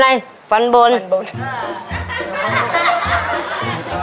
พี่มีฟันอะไร